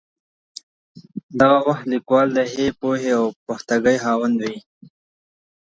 دغه وخت لیکوال د ښې پوهې او پختګۍ خاوند وي.